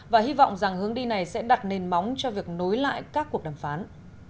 và hy vọng rằng hướng đi này sẽ đặt nền móng cho việc nối lại các cuộc đàm phán